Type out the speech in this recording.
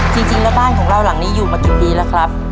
จริงแล้วบ้านของเราหลังนี้อยู่มากี่ปีแล้วครับ